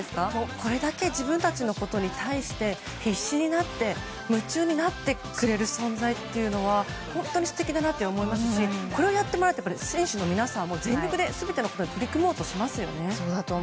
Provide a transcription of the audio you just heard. これだけ自分たちのことに対して必死になって夢中になってくれる存在というのは本当に素敵だなと思いますしこれをやってもらっている選手の皆さんも全力で全てのことに取り組もうとしますよね。